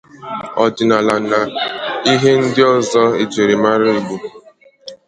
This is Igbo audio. ọdịnala na ihe ndị ọzọ e jiri mara Igbo.